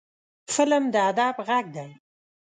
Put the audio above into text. فلم د ادب غږ دی